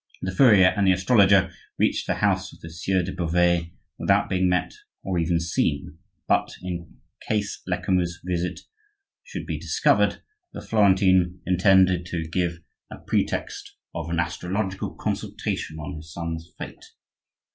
The furrier and the astrologer reached the house of the Sieur de Beauvais without being met or even seen; but, in case Lecamus' visit should be discovered, the Florentine intended to give a pretext of an astrological consultation on his son's fate.